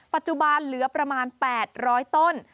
ปัจจุบันเหลือประมาณ๘๐๐ต้น